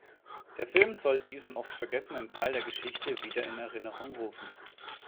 Der Film soll diesen oft vergessenen Teil der Geschichte wieder in Erinnerung rufen.